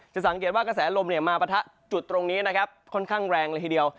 สังเกตว่ากระแสลมมาปะทะจุดตรงนี้นะครับค่อนข้างแรงเลยทีเดียว